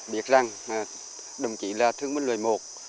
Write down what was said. biết rằng đồng chí là thương minh lời một